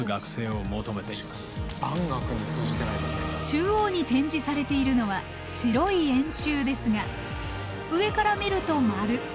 中央に展示されているのは白い円柱ですが上から見ると丸。